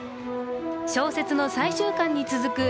小説の最終巻に続く